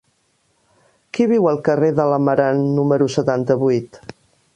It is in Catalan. Qui viu al carrer de l'Amarant número setanta-vuit?